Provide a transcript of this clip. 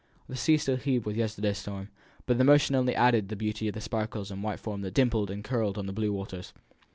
The sea still heaved with yesterday's storm, but the motion only added to the beauty of the sparkles and white foam that dimpled and curled on the blue waters.